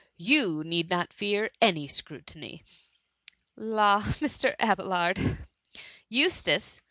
You need not fear any scrutiny.*" ^^ La, Mr. Abelard ! Eustace